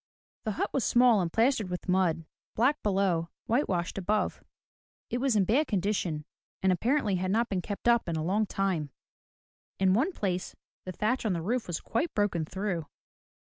The hut was small and plastered with mud, black below, whitewashed above. It was in bad condition, and apparently had not been kept up in a long time. In one place the thatch on the roof was quite broken through.